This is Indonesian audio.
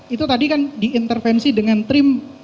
itu tadi kan diintervensi dengan trim